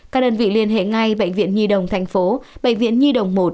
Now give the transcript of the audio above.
các đơn vị liên hệ ngay bệnh viện nhi đồng thành phố bệnh viện nhi đồng một